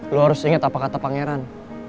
lu harus inget apa kata pangeran